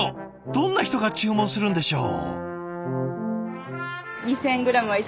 どんな人が注文するんでしょう？